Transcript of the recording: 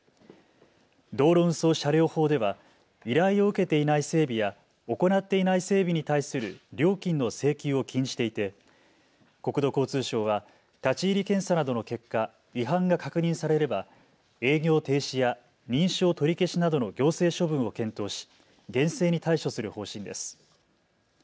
道路運送車両法では依頼を受けていない整備や行っていない整備に対する料金の請求を禁じていて国土交通省は立ち入り検査などの結果、違反が確認されれば営業停止や認証取り消しなどの行政処分を検討し厳正に対処する方針です。